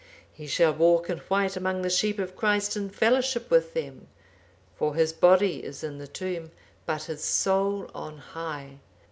He shall walk in white among the sheep of Christ in fellowship with them; for his body is in the tomb, but his soul on high.